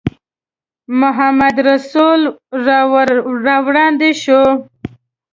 محمدرسول را وړاندې شو.